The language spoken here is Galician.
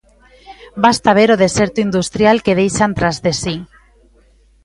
¡Basta ver o deserto industrial que deixan tras de si!